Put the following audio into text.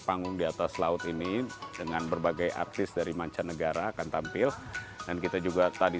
panggung di atas laut ini dengan berbagai artis dari mancanegara akan tampil dan kita juga tadi